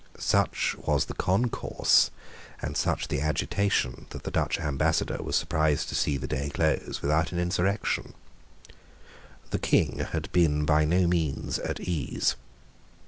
Such was the concourse, and such the agitation, that the Dutch Ambassador was surprised to see the day close without an insurrection. The King had been by no means at ease.